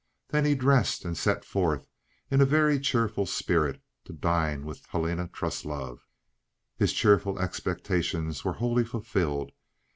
Then he dressed and set forth, in a very cheerful spirit, to dine with Helena Truslove. His cheerful expectations were wholly fulfilled.